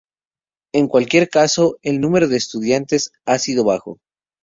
En cualquier caso, el número de estudiantes ha sido bajo.